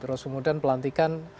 terus kemudian pelantikan